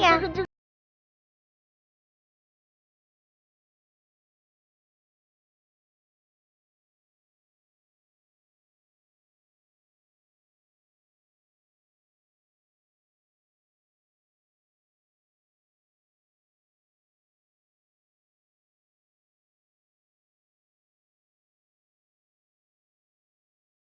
ya ini dia